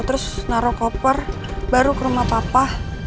terus naruh koper baru ke rumah papa